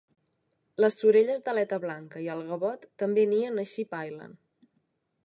Les sorelles d'aleta blanca i el gavot també nien a Sheep Island.